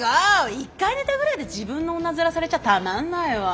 １回寝たくらいで自分の女ヅラされちゃたまんないわ。